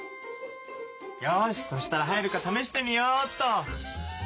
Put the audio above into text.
よしそしたら入るかためしてみようっと。